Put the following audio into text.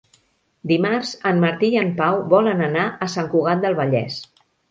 Dimarts en Martí i en Pau volen anar a Sant Cugat del Vallès.